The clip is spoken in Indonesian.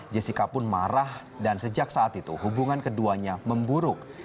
jessica pun marah dan sejak saat itu hubungan keduanya memburuk